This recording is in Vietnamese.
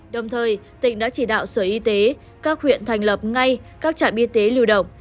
đồng thời tỉnh đã chỉ đạo sở y tế các huyện thành lập ngay các trạm y tế lưu động